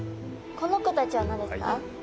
この子たちは何ですか？